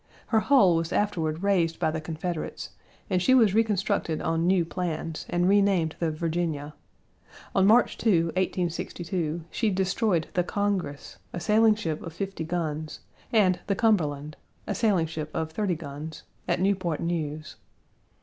Her hull was afterward raised by the Confederates and she was reconstructed on new plans, and renamed the Virginia. On March 2, 1862, she destroyed the Congress, a sailing ship of 50 guns, and the Cumberland, a sailing ship of 30 guns, at Newport News.